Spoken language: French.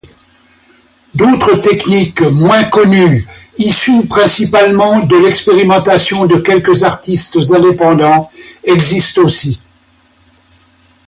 D'autres techniques moins connues, issues principalement de l'expérimentation de quelques artistes indépendants existent aussi.